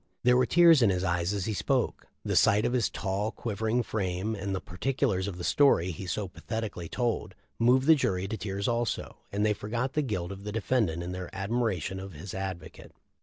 There were tears in his eyes as he spoke. The sight of his tall, quivering frame, and the par ticulars of the story he so pathetically told, moved the jury to tears also, and they forgot the guilt of the defendant in their admiration of his advocate.